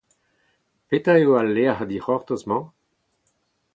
Petra eo al lec'h dic'hortoz-mañ ?